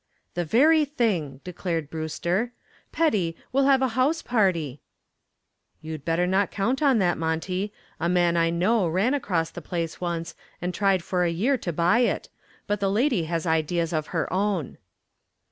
"The very thing," declared Brewster; "Petty, we'll have a house party." "You'd better not count on that, Monty. A man I know ran across the place once and tried for a year to buy it. But the lady has ideas of her own."